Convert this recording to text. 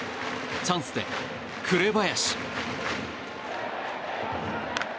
チャンスで紅林。